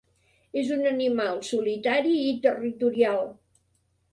És un animal solitari i territorial.